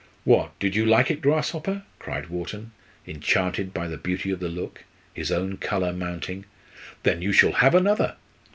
"What? did you like it, grasshopper?" cried Wharton, enchanted by the beauty of the look, his own colour mounting. "Then you shall have another."